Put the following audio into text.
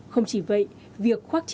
không chỉ vậy việc khoác trí